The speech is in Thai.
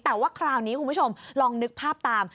แต่ว่าคราวนี้คุณผู้ชมลองนึกภาพตาม